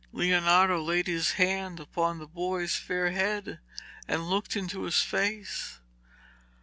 Leonardo laid his hand upon the boy's fair head and looked into his face.